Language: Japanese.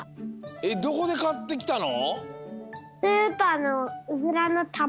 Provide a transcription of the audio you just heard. どこでかってきたの？